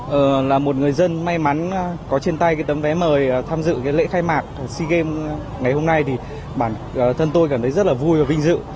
giờ là một người dân may mắn có trên tay cái tấm vé mời tham dự cái lễ khai mạc của sea games ngày hôm nay thì bản thân tôi cảm thấy rất là vui và vinh dự